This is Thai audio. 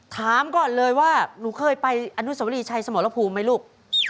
ถามก่อนเลยว่าหนูเคยไปอนุสวรีชัยสมรภูมิไหมลูก